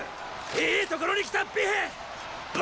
いいところに来た尾平！